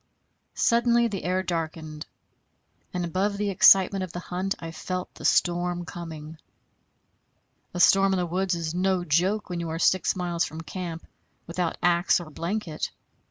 Suddenly the air darkened, and above the excitement of the hunt I felt the storm coming. A storm in the woods is no joke when you are six miles from camp without axe or blanket.